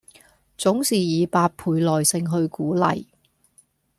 總是以百倍耐性去鼓勵